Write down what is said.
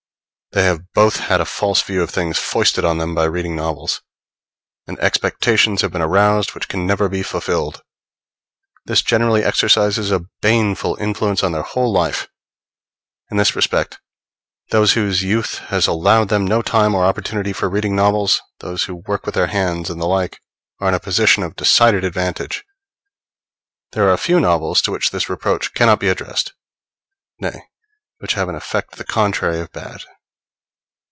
They have both had a false view of things foisted on them by reading novels; and expectations have been aroused which can never be fulfilled. This generally exercises a baneful influence on their whole life. In this respect those whose youth has allowed them no time or opportunity for reading novels those who work with their hands and the like are in a position of decided advantage. There are a few novels to which this reproach cannot be addressed nay, which have an effect the contrary of bad.